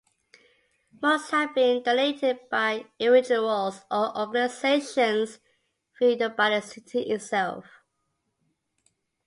Most have been donated by individuals or organizations, few by the city itself.